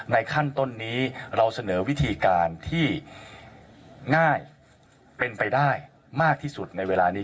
ขั้นต้นนี้เราเสนอวิธีการที่ง่ายเป็นไปได้มากที่สุดในเวลานี้